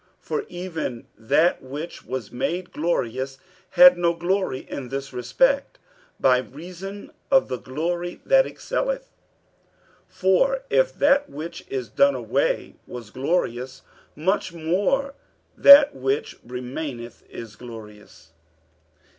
47:003:010 For even that which was made glorious had no glory in this respect, by reason of the glory that excelleth. 47:003:011 For if that which is done away was glorious, much more that which remaineth is glorious.